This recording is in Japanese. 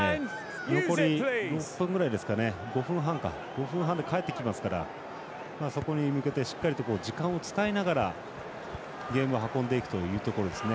残り５分半でかえってきますからそこに向けてしっかりと時間を使いながらゲームを運んでいくというところですね。